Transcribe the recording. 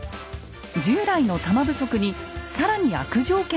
従来の玉不足に更に悪条件も重なります。